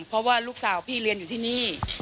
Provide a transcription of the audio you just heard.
เพราะว่าลูกสาวพี่เรียนอยู่ที่นี่